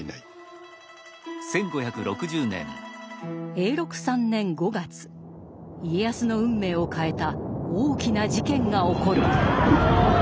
永禄３年５月家康の運命を変えた大きな事件が起こる。